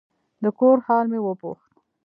د کور حال مې وپوښت.